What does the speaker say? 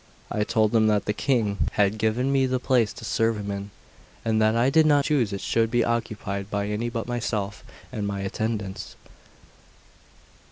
I told him that the King had given me the place to serve him in, and that I did not choose it should be occupied by any but myself and my attendants.